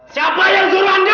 siapa yang suruh anda